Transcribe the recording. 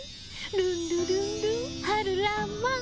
ルンルルンルン春らんまん。